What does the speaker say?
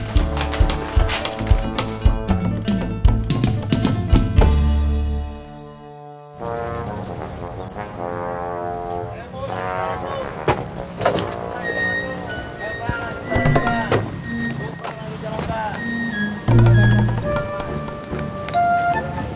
bu mau lagi jalan pak